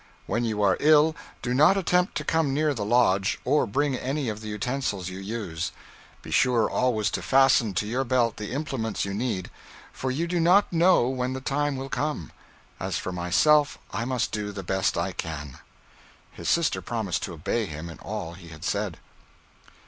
When you are ill, do not attempt to come near the lodge, or bring any of the utensils you use. Be sure always to fasten to your belt the implements you need, for you do not know when the time will come. As for myself, I must do the best I can.' His sister promised to obey him in all he had said.